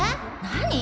何！？